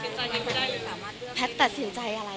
แต่แพทย์ตัดสินใจยังไม่ได้เลย